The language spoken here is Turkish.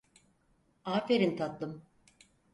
Aferin tatlım.